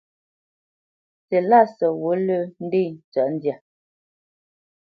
Silásə ghǔt lə́ ndé tsə̌tndyǎ.